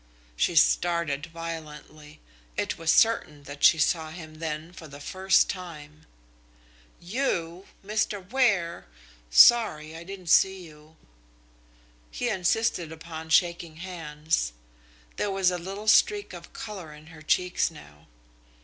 She started violently. It was certain that she saw him then for the first time. "You! Mr. Ware! Sorry, I didn't see you." He insisted upon shaking hands. There was a little streak of colour in her cheeks now.